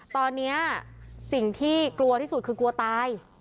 ตอนนี้สิ่งที่กลัวที่สุดคือกลัวตาย